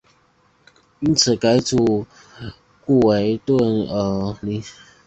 因此改组顾维钧临时摄政内阁以反映军事力量的变化就显得有必要。